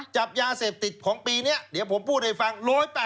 จับยาเสพติดของปีนี้เดี๋ยวผมพูดให้ฟัง